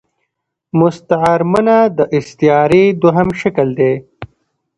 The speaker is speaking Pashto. مستعارمنه د ا ستعارې دوهم شکل دﺉ.